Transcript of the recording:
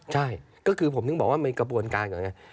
ใช่ก็คือผมถึงบอกว่ามีกระบวนการก่อนไง